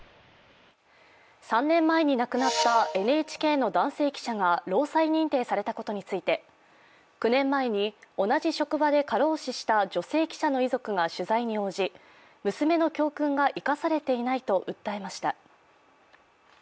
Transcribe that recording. ３年前に亡くなったＮＨＫの男性記者が労災認定されたことについて９年前に同じ職場で過労死した女性記者の遺族が取材に応じ、娘の教訓が生かされていないと訴えました。